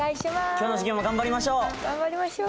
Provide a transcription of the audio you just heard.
今日の授業も頑張りましょう！